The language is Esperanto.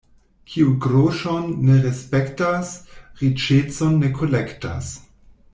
Kiu groŝon ne respektas, riĉecon ne kolektas.